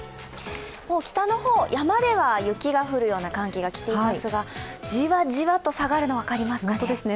北の方、山では雪が降るような寒気が来ていますがじわじわと下がるの、分かりますかね。